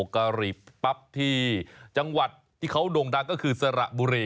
กะหรี่ปั๊บที่จังหวัดที่เขาโด่งดังก็คือสระบุรี